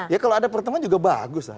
ya kalau ada pertemuan juga bagus lah